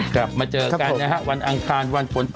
กลับมาเจอกันนะฮะวันอังคารวันฝน